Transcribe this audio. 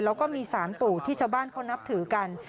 แล้วก็มีสารปู่ที่ชาวบ้านเขานับถือกัน